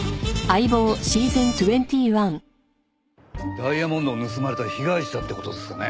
ダイヤモンドを盗まれた被害者って事ですかね？